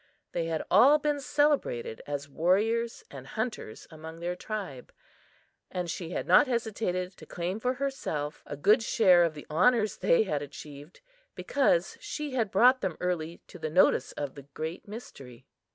They had all been celebrated as warriors and hunters among their tribe, and she had not hesitated to claim for herself a good share of the honors they had achieved, because she had brought them early to the notice of the "Great Mystery."